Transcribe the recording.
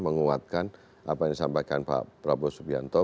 menguatkan apa yang disampaikan pak prabowo subianto